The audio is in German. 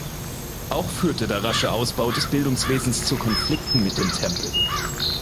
Auch führte der rasche Ausbau des Bildungswesens zu Konflikten mit den Tempeln.